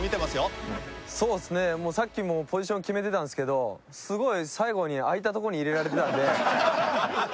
そうですねさっきもポジション決めてたんですけどすごい最後に空いた所に入れられてたんで。